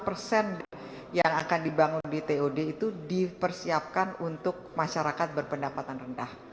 lima puluh persen yang akan dibangun di tod itu dipersiapkan untuk masyarakat berpendapatan rendah